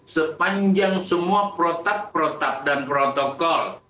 sepanjang semua protak protak dan protokol